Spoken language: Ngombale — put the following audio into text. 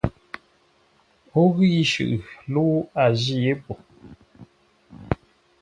O ghʉ yi shʉʼʉ, lə́u a jî yé po.